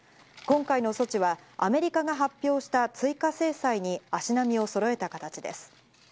今回の措置はアメリカが発表した追加制裁に足並みをそろえた形です。